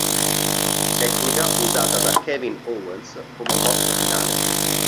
Tecnica usata da Kevin Owens come mossa finale.